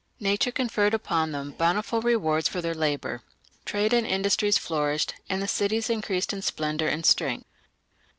Nature conferred upon them bountiful rewards for their labour; trade and industries flourished, and the cities increased in splendour and strength.